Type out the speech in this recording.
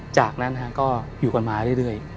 จากนั้นก็อยู่กันมาเรื่อย